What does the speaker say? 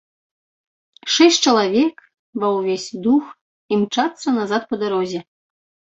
Шэсць чалавек ва ўвесь дух імчацца назад па дарозе.